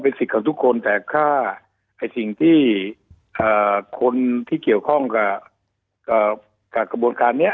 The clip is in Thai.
สิทธิ์ของทุกคนแต่ถ้าสิ่งที่คนที่เกี่ยวข้องกับกระบวนการนี้